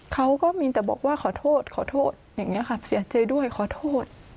เขาก็มีแต่บอกว่าขอโทษขอโทษอย่างนี้ค่ะเสียใจด้วยขอโทษ